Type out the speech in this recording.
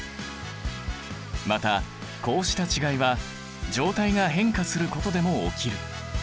またこうした違いは状態が変化することでも起きる。